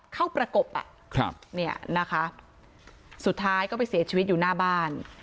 ประกบอ่ะครับเนี่ยนะคะสุดท้ายก็ไปเสียชีวิตอยู่หน้าบ้าน